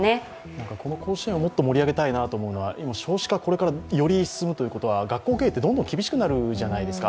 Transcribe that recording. この甲子園をもっと盛り上げたいなと思うのは、今、少子化、これからより一層進むということは学校経営が厳しくなるじゃないですか。